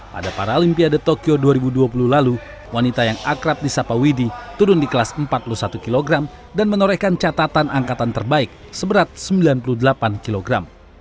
pada paralimpiade tokyo dua ribu dua puluh lalu wanita yang akrab di sapa widi turun di kelas empat puluh satu kg dan menorehkan catatan angkatan terbaik seberat sembilan puluh delapan kilogram